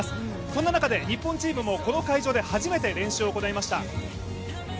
そんな中で日本チームもこの会場で初めて練習を行いました。